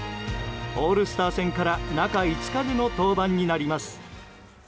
オールスター戦から中５日での登板になります。